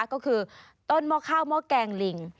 ก็คือต้นหม้อข้าวหม้อแกงลิง